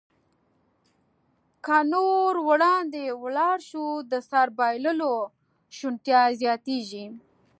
که نور وړاندې ولاړ شو، د سر بایللو شونتیا زیاتېږي.